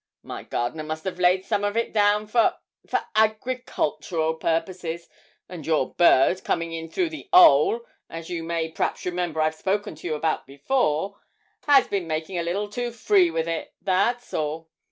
My gardener must have laid some of it down for for agricultural purposes, and your bird, comin' in through the 'ole (as you may p'raps remember I've spoke to you about before), has bin makin' a little too free with it, that's all.